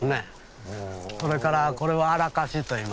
それからこれはアラカシといいます。